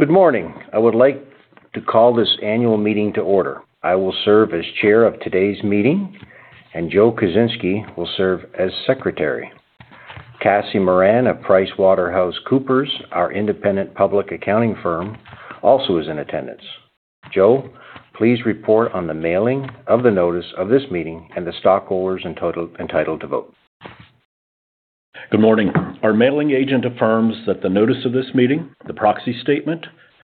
Good morning. I would like to call this annual meeting to order. I will serve as chair of today's meeting, and Joe Koscinski will serve as secretary. Cassie Moran of PricewaterhouseCoopers, our independent public accounting firm, also is in attendance. Joe, please report on the mailing of the notice of this meeting and the stockholders in total entitled to vote. Good morning. Our mailing agent affirms that the notice of this meeting, the proxy statement,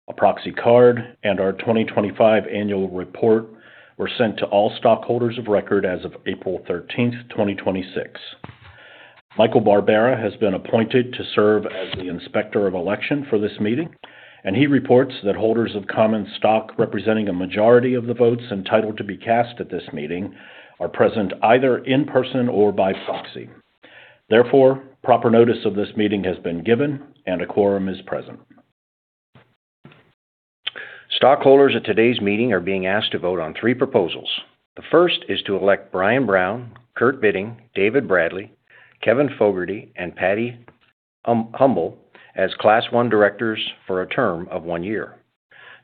a proxy card, and our 2025 annual report were sent to all stockholders of record as of April 13, 2026. Michael Barbera has been appointed to serve as the Inspector of Election for this meeting, and he reports that holders of common stock representing a majority of the votes entitled to be cast at this meeting are present either in person or by proxy. Therefore, proper notice of this meeting has been given and a quorum is present. Stockholders at today's meeting are being asked to vote on 3 proposals. The first is to elect Bryan K. Brown, Kurt J. Bitting, David A. Bradley, Kevin Fogarty, and Patty Humble as Class 1 directors for a term of 1 year.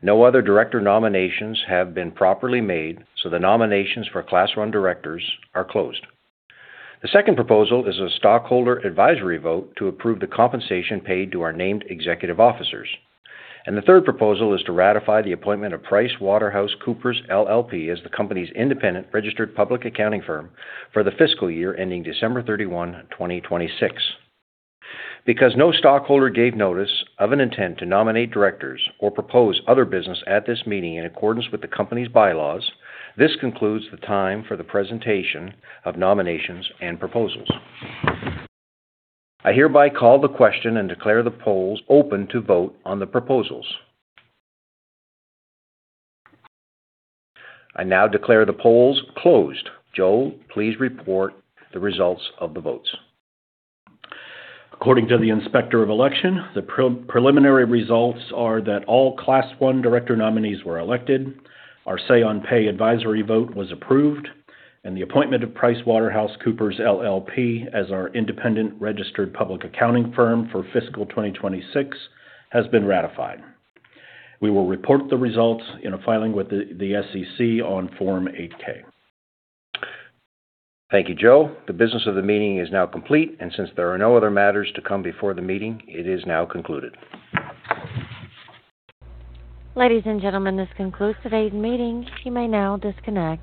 No other director nominations have been properly made, so the nominations for Class 1 directors are closed. The second proposal is a stockholder advisory vote to approve the compensation paid to our named executive officers. The third proposal is to ratify the appointment of PricewaterhouseCoopers LLP as the company's independent registered public accounting firm for the fiscal year ending December 31, 2026. Because no stockholder gave notice of an intent to nominate directors or propose other business at this meeting in accordance with the company's bylaws, this concludes the time for the presentation of nominations and proposals. I hereby call the question and declare the polls open to vote on the proposals. I now declare the polls closed. Joe, please report the results of the votes. According to the Inspector of Election, the pre-preliminary results are that all Class 1 director nominees were elected, our Say on Pay advisory vote was approved, and the appointment of PricewaterhouseCoopers LLP as our independent registered public accounting firm for fiscal 2026 has been ratified. We will report the results in a filing with the SEC on Form 8-K. Thank you, Joe. The business of the meeting is now complete. Since there are no other matters to come before the meeting, it is now concluded. Ladies and gentlemen, this concludes today's meeting. You may now disconnect.